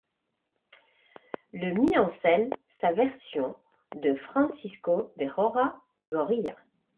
Le mit en scène sa version de ', de Francisco de Rojas Zorrilla.